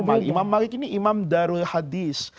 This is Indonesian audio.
imali imam malik ini imam darul hadis